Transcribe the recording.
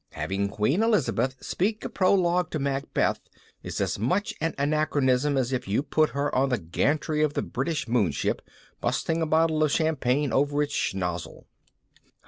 Having Queen Elizabeth speak a prologue to Macbeth is as much an anachronism as if you put her on the gantry of the British moonship, busting a bottle of champagne over its schnozzle."